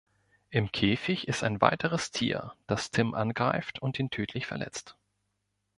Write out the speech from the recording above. Im Käfig ist ein weiteres Tier, das Tim angreift und ihn tödlich verletzt.